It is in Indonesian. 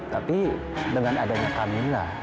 tapi dengan adanya kamila